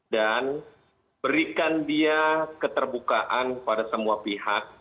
dan berikan dia keterbukaan pada semua pihak